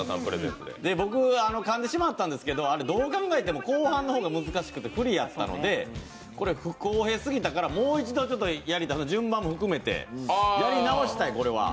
僕、かんでしまったんですけどあれ、どう考えても後半の方が難しくて不利やったのでこれ不公平すぎたから、順番も含めてやり直したい、これは。